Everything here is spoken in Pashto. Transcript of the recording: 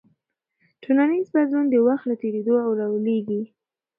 ټولنیز بدلون د وخت له تېرېدو راولاړېږي.